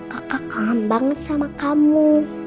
kakak kangen banget sama kamu